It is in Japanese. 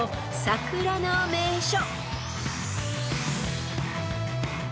桜の名所？